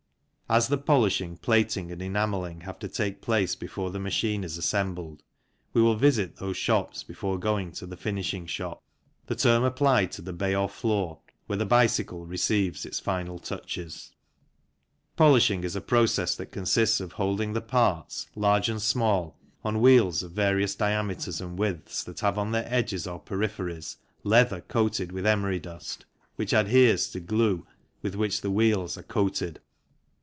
As the polishing, plating, and enamelling have to take place before the machine is assembled, we will visit those shops before going to the finishing shop, the term applied to the bay or floor, where the bicycle receives its final touches. 4 (1466n) 40 THE CYCLE INDUSTRY Polishing is a process that consists of holding the parts, large and small, on wheels of various diameters and widths that have on their edges or peripheries leather coated with emery dust which adheres to glue with which the wheels are coated.